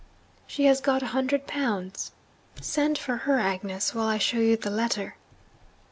'She has got a hundred pounds. Send for her, Agnes, while I show you the letter.'